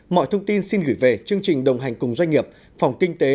mọi thông tin xin gửi về chương trình đồng hành cùng doanh nghiệp phòng kinh tế